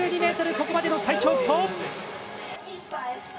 ここまでの最長不倒。